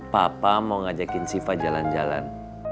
papa mau ngajakin siva jalan jalan